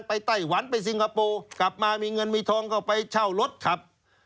ไต้หวันไปซิงคโปร์กลับมามีเงินมีทองเข้าไปเช่ารถขับ